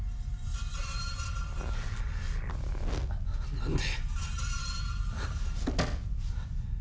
何で。